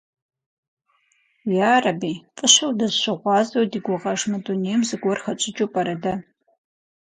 Ярэби, фӏыщэу дызыщыгъуазэу ди гугъэж мы дунейм зыгуэр хэтщӏыкӏыу пӏэрэ дэ?